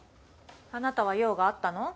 あなたは用があったの？